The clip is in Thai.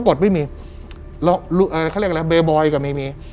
กฎไม่มีเขาเรียกอะไรเบบอยก็ไม่มี